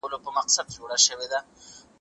د علم په مرسته ټول مجهولات کشف کړئ.